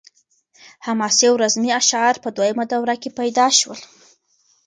حماسي او رزمي اشعار په دویمه دوره کې پیدا شول.